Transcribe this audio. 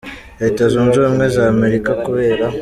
Leta Zunze Ubumwe za Amerika kubera.